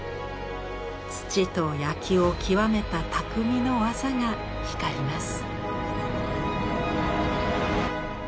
土と焼きを極めた匠の技が光ります。